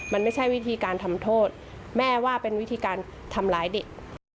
มันไม่ใช่วิธีการทำโทษแม่ว่าเป็นวิธีการทำร้ายเด็ก